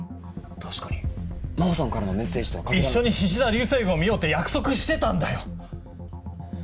確かに真帆さんからのメッセージとは。一緒にしし座流星群を見ようって約束してたんだよ！